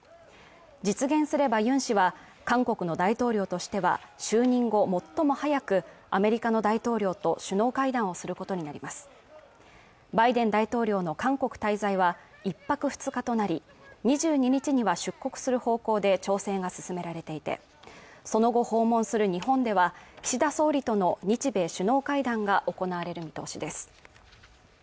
実現すればユン氏は韓国の大統領としては就任後最も早くアメリカの大統領と首脳会談をすることになりますバイデン大統領の韓国滞在は１泊２日となり２２日には出国する方向で調整が進められていてその後訪問する日本では岸田総理との日米首脳会談が行われる見通しです